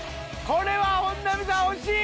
これは本並さん惜しい！